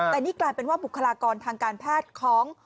แต่นี่กลายเป็นว่าบุคลากรทางการแพทย์ของ